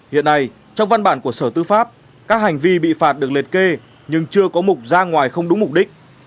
hiện nay trong văn bản của sở tư pháp các hành vi bị phạt được liệt kê nhưng chưa có mục ra ngoài không đúng mục đích